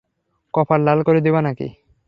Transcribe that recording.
কপাল লাল করে দিবা নাকি?